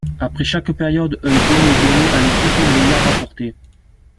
Après chaque période, un point est donné à l’équipe l’ayant remportée.